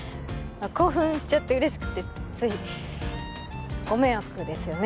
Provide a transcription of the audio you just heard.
興奮しちゃって嬉しくてついご迷惑ですよね